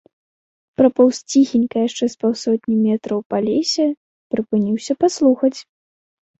Прапоўз ціхенька яшчэ з паўсотні метраў па лесе, прыпыніўся паслухаць.